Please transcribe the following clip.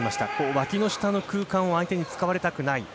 脇の下の空間を相手に使われたくない。